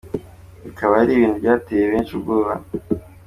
Bikaba ari ibintu byateye benshi ubwoba.